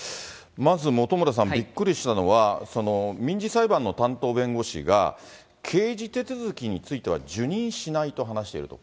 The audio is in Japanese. まず本村さん、びっくりしたのは、民事裁判の担当弁護士が、刑事手続きについては受任しないと話していると。